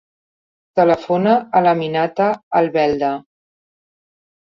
Telefona a l'Aminata Albelda.